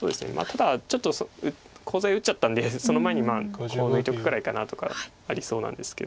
ただちょっとコウ材打っちゃったのでその前にコウを抜いとくぐらいかなとかありそうなんですけど。